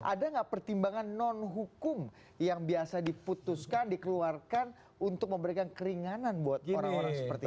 ada nggak pertimbangan non hukum yang biasa diputuskan dikeluarkan untuk memberikan keringanan buat orang orang seperti itu